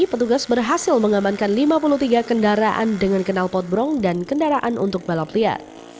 petugas berhasil mengamankan lima puluh tiga kendaraan dengan kenal potbrong dan kendaraan untuk balap liar